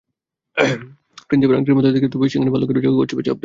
প্রিন্সিপের আংটিটার মতোই দেখতে, তবে সেখানে ভাল্লুকের জায়গায় কচ্ছপের ছাপ দেয়া।